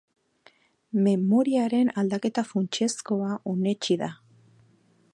Memoriaren aldaketa funtsezkoa onetsi da.